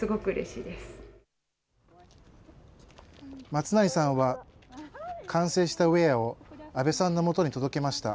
松成さんは、完成したウエアを阿部さんのもとに届けました。